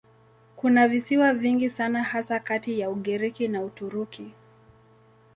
Kuna visiwa vingi sana hasa kati ya Ugiriki na Uturuki.